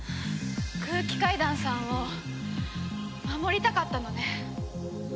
空気階段さんを守りたかったのね。